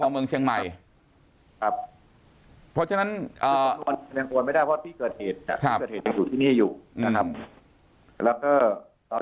เมืองเชียงใหม่เพราะฉะนั้นว่าพี่เกิดเอกนี่อยู่แล้ว